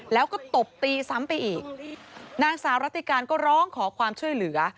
แล้วก็ตบตีซ้ำไปอีกนางสาวรัติการก็ร้องขอความช่วยเหลือ